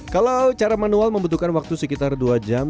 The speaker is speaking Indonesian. kalau cara manual membutuhkan waktu sekitar dua jam